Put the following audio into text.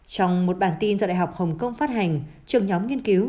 trong một bản tin do đại học hồng kông phát hành trường nhóm nghiên cứu